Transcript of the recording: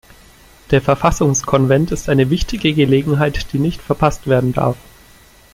Der Verfassungskonvent ist eine wichtige Gelegenheit, die nicht verpasst werden darf.